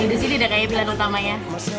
jadi disini deh kayaknya pilihan utamanya